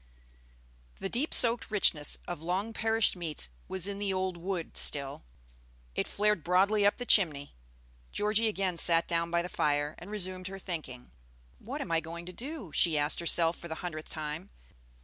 The deep soaked richness of long perished meats was in the old wood still. It flared broadly up the chimney. Georgie again sat down by the fire and resumed her thinking. "What am I going to do?" she asked herself for the hundredth time.